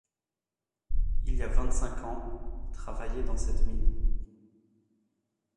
Il y a vingt-cinq ans, travaillaient dans cette mine.